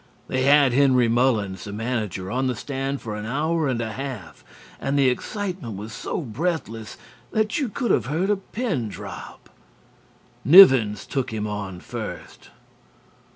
They had Henry Mullins, the manager, on the stand for an hour and a half, and the excitement was so breathless that you could have heard a pin drop. Nivens took him on first.